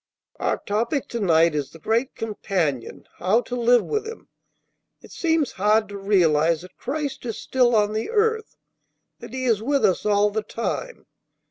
"Our topic to night is 'The Great Companion: How to Live with Him.' It seems hard to realize that Christ is still on the earth. That He is with us all the time.